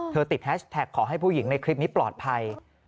ติดแฮชแท็กขอให้ผู้หญิงในคลิปนี้ปลอดภัย